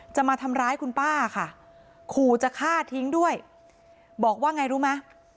จะมาทำร้ายคุณป้าค่ะขู่จะฆ่าทิ้งด้วยบอกว่าไงรู้ไหม